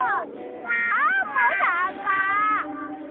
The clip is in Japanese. アンモさんか。